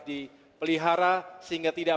dipelihara sehingga tidak